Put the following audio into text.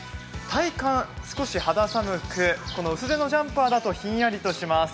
体感少し肌寒く、薄手のジャンパーだとひんやりとします。